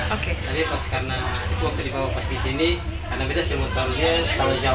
tapi karena waktu dibawa pas di sini karena kita simular dia jauh